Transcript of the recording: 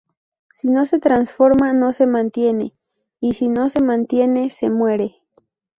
Si no se transforma no se mantiene, y si no se mantiene, se muere.